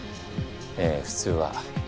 ええ普通は。